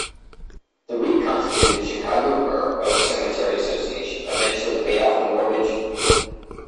The re-constituted Chicago Burr Oak Cemetery Association eventually paid off the mortgage.